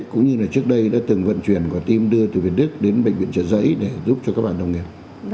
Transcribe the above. cũng như là trước đây đã từng vận chuyển quả tim đưa từ việt đức đến bệnh viện chợ giấy để giúp cho các bạn đồng nghiệp